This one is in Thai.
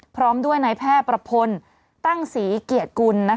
พร้อมด้วยนายแพทย์ประพลตั้งศรีเกียรติกุล